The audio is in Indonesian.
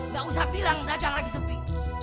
gak usah bilang dagang lagi sepi